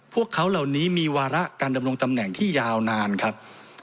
พวกเขาเหล่านี้มีวาระการดำรงตำแหน่งที่ยาวนานครับ